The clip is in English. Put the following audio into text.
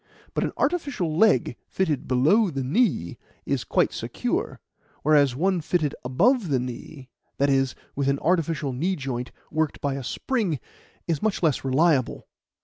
But an artificial leg fitted below the knee is quite secure, whereas one fitted above the knee that is, with an artificial knee joint worked by a spring is much less reliable.